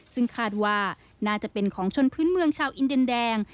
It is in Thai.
ซึ่งคาดว่าน่าจะเป็นของชนพื้นเมืองชาวอินเดียนแดง